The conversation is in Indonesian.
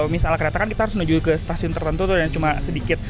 misalnya kereta kan kita harus menuju ke stasiun tertentu tuh yang cuma sedikit